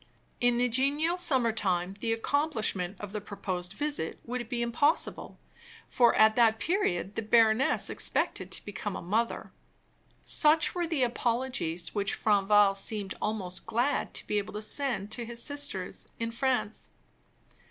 In the genial summer time, the accomplishment of the proposed visit would be impossible, for at that period the baroness expected to become a mother. Such were the apologies which Franval seemed almost glad to be able to send to his sisters in France.